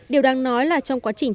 điều đang nói là trong quá trình